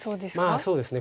まあそうですね。